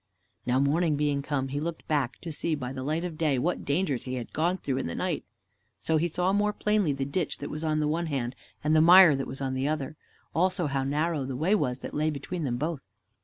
Now morning being come, he looked back to see by the light of day what dangers he had gone through in the night. So he saw more plainly the ditch that was on the one hand, and the mire that was on the other, also how narrow the way was that lay between them both.